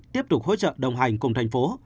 tiếp tục hỗ trợ đồng hành cùng thành phố